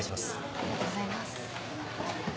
ありがとうございます。